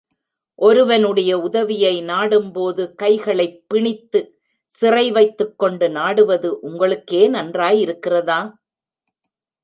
ஒருவனுடைய உதவியை நாடும்போது கைகளைப் பிணித்துச் சிறைவைத்துக்கொண்டு நாடுவது உங்களுக்கே நன்றாயிருக்கிறதா?